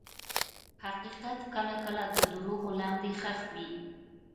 حقیقت کله کله د دروغو لاندې ښخ وي.